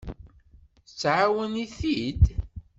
Tettɛawan-it-id.